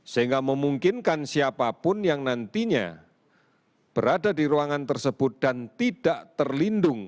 sehingga memungkinkan siapapun yang nantinya berada di ruangan tersebut dan tidak terlindung